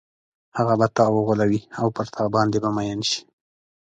هغه به تا وغولوي او پر تا باندې به مئین شي.